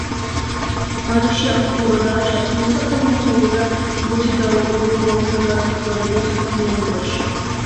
ბარიში აქტიურადაა ჩართული საქველმოქმედო და კიბოთი დაავადებულ ბავშვთა დასახმარებელ საქმიანობაში.